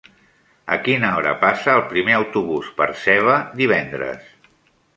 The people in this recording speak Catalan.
A quina hora passa el primer autobús per Seva divendres?